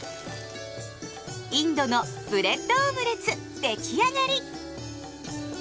インドのブレッドオムレツ出来上がり。